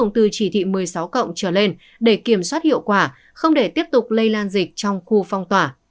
từ chỉ thị một mươi sáu cộng trở lên để kiểm soát hiệu quả không để tiếp tục lây lan dịch trong khu phong tỏa